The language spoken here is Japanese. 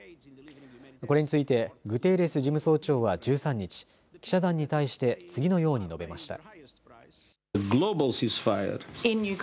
これについてグテーレス事務総長は１３日、記者団に対して次のように述べました。